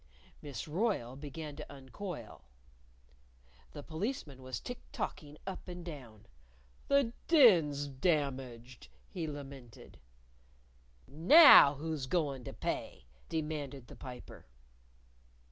Miss Royle began to uncoil. The Policeman was tick tocking up and down. "The Den's damaged!" he lamented. "Now, who's goin' to pay?" demanded the Piper.